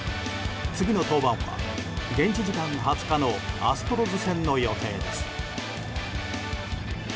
次の登板は現地時間２０日のアストロズ戦の予定です。